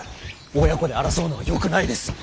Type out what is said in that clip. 親子で争うのはよくないです。